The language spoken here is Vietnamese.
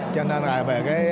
cho nên là về cái